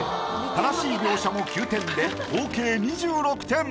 正しい描写も９点で合計２６点。